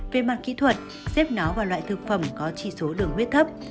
về mặt kỹ thuật xếp nó vào loại thực phẩm có chỉ số đường huyết thấp